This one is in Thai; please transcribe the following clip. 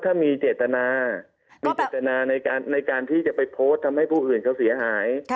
ถ้ามีเจตนามีเจตนาในการที่จะไปโพสต์ทำให้ผู้อื่นเขาเสียหาย